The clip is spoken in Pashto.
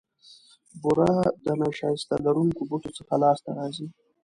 بوره د نیشاسته لرونکو بوټو څخه لاسته راځي.